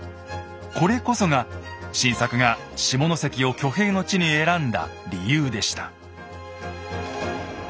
これこそが晋作が下関を挙兵の地に選んだ理由でした。